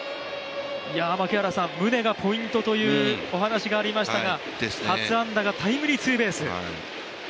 宗がポイントというお話がありましたが初安打がタイムリーツーベース。